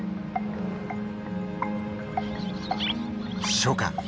初夏。